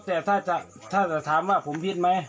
แต่ถ้าจะถามว่าผมผิดมั้ย